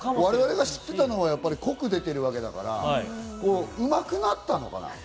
我々が知っていたのは濃く出てるものだから、うまくなったのかな？